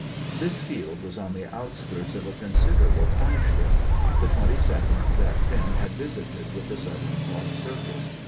This field was on the outskirts of a considerable township; the twenty second that Finn had visited with the Southern Cross Circus.